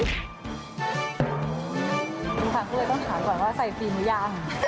ดูค้างด้วยต้องถามก่อนว่าใส่ธีมรึยัง